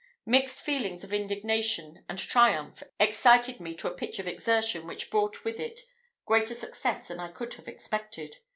Mixed feelings of indignation and triumph excited me to a pitch of exertion which brought with it greater success than I could have expected.